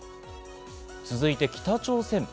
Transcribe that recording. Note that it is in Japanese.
続いて北朝鮮。